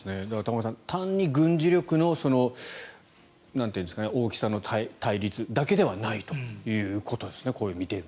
玉川さん単に軍事力の大きさの対立だけではないということですね。